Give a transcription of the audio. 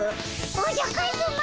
おじゃカズマ！